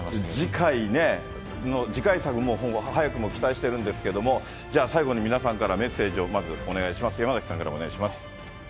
次回ね、次回作も早くも期待したいんですけども、じゃあ最後に皆さんからメッセージをまず、お願いします。